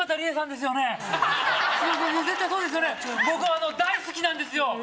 僕あの大好きなんですよ